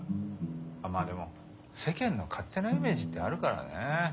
まあでも世間の勝手なイメージってあるからね。